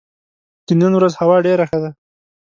د نن ورځ هوا ډېره ښه ده.